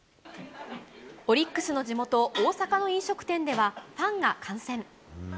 オリックスの地元、大阪の飲食店では、ファンが観戦。